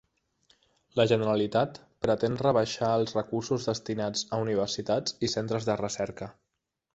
La Generalitat pretén rebaixar els recursos destinats a universitats i centres de recerca.